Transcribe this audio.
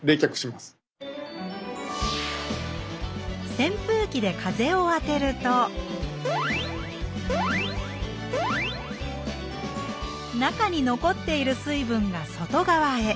扇風機で風を当てると中に残っている水分が外側へ。